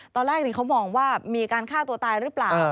ตอนแรกเขามองว่ามีการฆ่าตัวตายหรือเปล่า